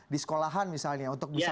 di sekolahan misalnya untuk bisa